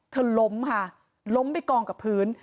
ล้มค่ะล้มไปกองกับพื้น